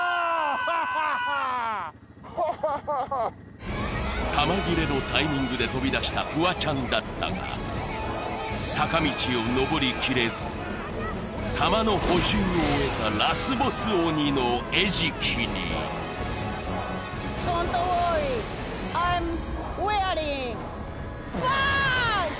ハハハッハハハハッ弾切れのタイミングで飛び出したフワちゃんだったが坂道をのぼりきれず弾の補充を終えたラスボス鬼の餌食にドントウォーリーアイムウェアリングパーンツ！